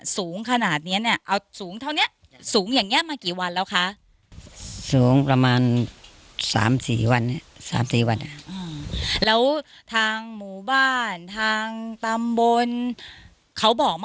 บอกไม่ยังไม่มีใครบอกไม่มีใครบอกเพราะตั้งคนตั้งมันมั่วอ่ะ